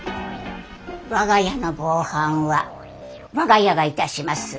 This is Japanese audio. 我が家の防犯は我が家がいたします。